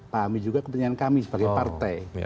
pahami juga kepentingan kami sebagai partai